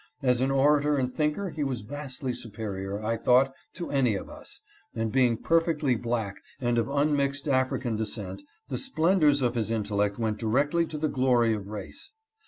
As an orator and thinker he was vastly superior, I thought, to any of us, and being per fectly black and of unmixed African descent, the splen dors of his intellect went directly to the glory of race.